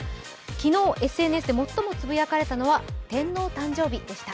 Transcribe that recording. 昨日、ＳＮＳで最もつぶやかれたのは天皇誕生日でした。